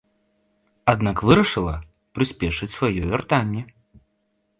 Аднак вырашыла прыспешыць сваё вяртанне.